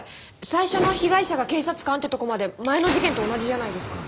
最初の被害者が警察官ってとこまで前の事件と同じじゃないですか。